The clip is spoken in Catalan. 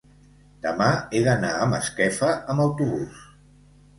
demà he d'anar a Masquefa amb autobús.